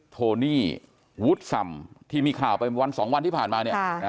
โทนี่วุฒสำที่มีข่าวไป๑๒วันที่ผ่านมา